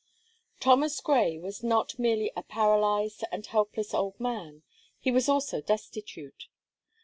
Thomas Gray was not merely a paralyzed and helpless old man, he was also destitute.